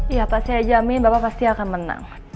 iya pak saya jamin bapak pasti akan menang